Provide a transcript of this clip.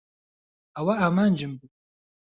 ئەوە ئامانجم بوو.